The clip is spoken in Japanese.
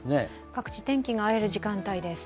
各地、天気が荒れる時間帯です。